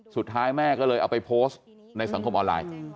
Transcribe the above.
สุดท้ายแม่ก็เลยเอาไปโพสต์ในสังคมออนไลน์